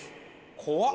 怖っ